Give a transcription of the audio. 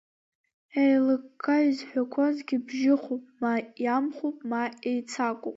Еилыкка изҳәақәозгьы бжьыхуп ма иамхуп, ма еицакуп.